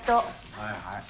はいはい。